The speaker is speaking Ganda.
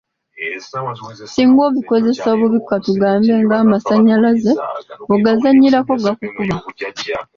Singa obikozesa obubi katugambe ng'amasaanyalaze, bw'ogazanyirako gakukuba.